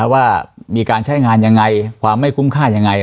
ว่ามีการใช้งานยังไงความไม่คุ้มค่ายังไง